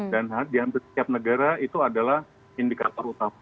dan diantara setiap negara itu adalah indikator utama